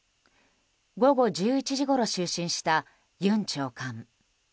午後１１時ごろ就寝したユン長官。